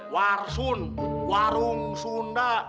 warsun warung sunda